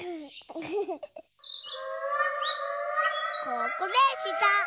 ここでした！